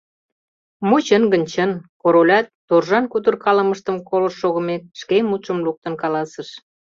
— Мо чын гын, чын, — Королят, торжан кутыркалымыштым колышт шогымек, шке мутшым луктын каласыш.